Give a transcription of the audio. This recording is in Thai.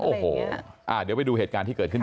โอ้ยมันมันมัน